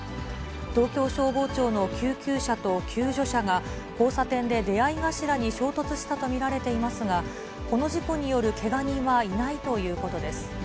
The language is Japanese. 東京消防庁の救急車と救助車が交差点で出会い頭に衝突したと見られていますが、この事故によるけが人はいないということです。